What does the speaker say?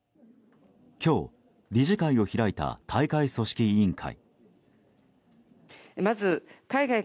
今日、理事会を開いた大会組織委員会。